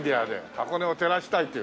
箱根を照らしたいという。